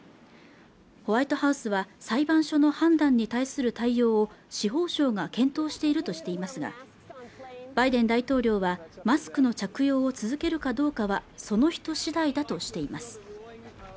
ホワイトハウスは裁判所の判断に対する対応を司法省が検討しているとしていますがバイデン大統領はマスクの着用を続けるかどうかはその人次第だとしています